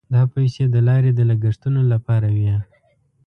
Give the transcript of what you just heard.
دا پیسې د لارې د لګښتونو لپاره وې.